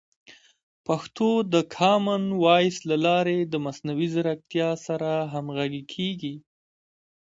پښتو د کامن وایس له لارې د مصنوعي ځیرکتیا سره همغږي کیږي.